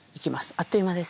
あっという間です。